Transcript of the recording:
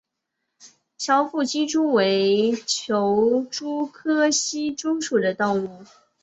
翘腹希蛛为球蛛科希蛛属的动物。